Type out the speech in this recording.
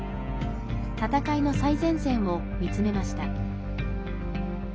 戦いの最前線を見つめました。